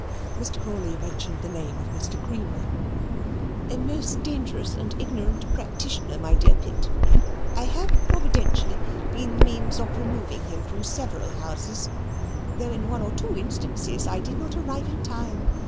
Mr. Crawley mentioned the name of Mr. Creamer. "A most dangerous and ignorant practitioner, my dear Pitt. I have providentially been the means of removing him from several houses: though in one or two instances I did not arrive in time.